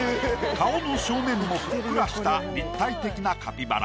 顔の正面もふっくらした立体的なカピバラ。